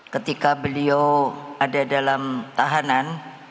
ketika beliau ada dalam tahanan